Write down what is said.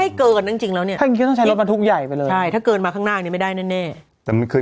ได้เกิดจริงแล้วเนี่ยใช้รถมันทุกใหญ่ค่ะถ้าเกิดมาข้างหน้าในไม่ได้แน่แต่มันคือ